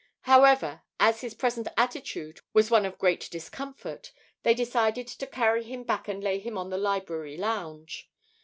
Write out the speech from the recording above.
However, as his present attitude was one of great discomfort, they decided to carry him back and lay him on the library lounge.